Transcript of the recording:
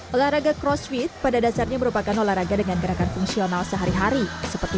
olahraga crossfit pada dasarnya merupakan olahraga dengan gerakan fungsional sehari hari seperti